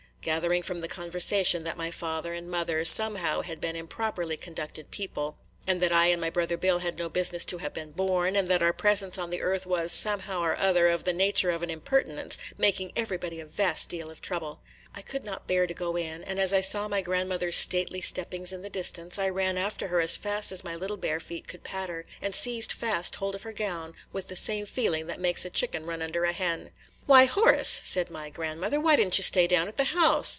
Gathering from the conversation that my father and mother, somehow, had been improperly conducted people, and that I and my brother Bill had no business to have been born, and that our presence on the earth was, somehow or other, of the nature of an impertinence, making everybody a vast deal of trouble. I could not bear to go in; and as I saw my grandmother's stately steppings in the distance, I ran after her as fast as my little bare feet could patter, and seized fast hold of her gown with the same feeling that makes a chicken run under a hen. "Why, Horace," said my grandmother, "why did n't you stay down at the house?"